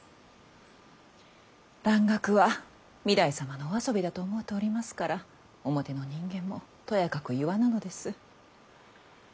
蘭学は御台様のお遊びだと思うておりますから表の人間もとやかく言わぬのです。